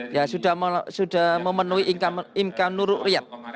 ya sudah memenuhi imkan nuru riat